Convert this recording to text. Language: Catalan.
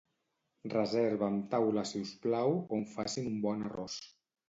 Reserva'm taula si us plau, on facin un bon arròs.